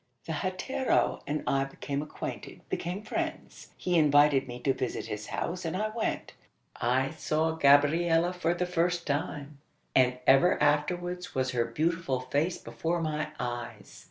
The hatero and I became acquainted became friends. He invited me to visit his house, and I went. I saw Gabriella for the first time; and ever afterwards was her beautiful face before my eyes.